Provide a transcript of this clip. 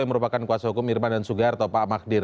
yang merupakan kuasa hukum irman dan sugiharto pak magdir